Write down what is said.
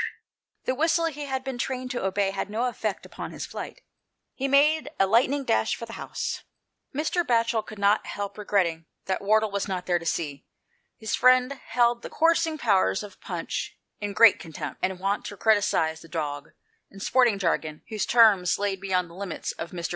The whistle he had been trained to obey had no effect upon his flight ; he made a lightning dash for the house. Mr. Batchel could not help regretting that Wardle was not there to see. His friend held the coursing powers of Punch in great contempt, and was wont to criticise the dog in sporting jargon, whose terms lay beyond the limits of 163 G HOST TALES. Mr.